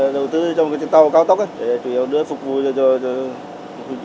đầu tư trong cái tàu cao tốc chủ yếu đưa phục vụ cho du khách